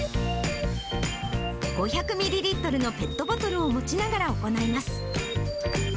５００ミリリットルのペットボトルを持ちながら行います。